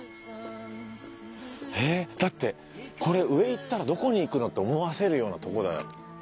えだってこれ上行ったらどこに行くのって思わせるようなとこだよ。